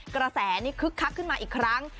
กระแสนี้คึกคักขึ้นมาอีกครั้ง